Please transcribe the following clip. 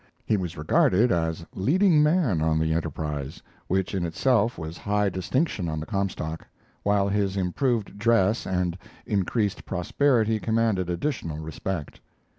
He was regarded as leading man on the Enterprise which in itself was high distinction on the Comstock while his improved dress and increased prosperity commanded additional respect.